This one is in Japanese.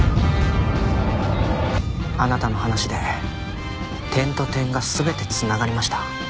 あなたの話で点と点が全て繋がりました。